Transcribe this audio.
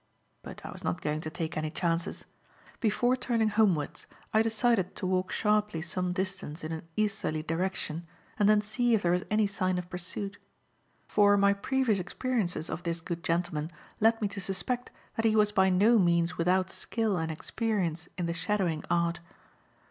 But I was not going to take any chances. Before turning homewards, I decided to walk sharply some distance in an easterly direction and then see if there was any sign of pursuit; for my previous experiences of this good gentleman led me to suspect that he was by no means without skill and experience in the shadowing art.